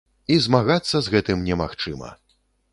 І змагацца з гэтым немагчыма.